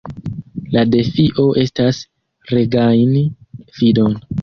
la defio estas regajni fidon”.